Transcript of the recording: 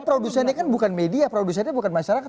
produsennya kan bukan media produsennya bukan masyarakat